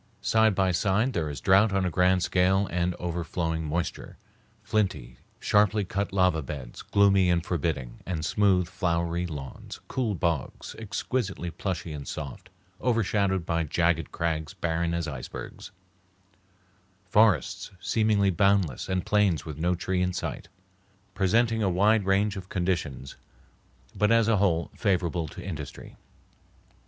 Side by side there is drouth on a grand scale and overflowing moisture; flinty, sharply cut lava beds, gloomy and forbidding, and smooth, flowery lawns; cool bogs, exquisitely plushy and soft, overshadowed by jagged crags barren as icebergs; forests seemingly boundless and plains with no tree in sight; presenting a wide range of conditions, but as a whole favorable to industry.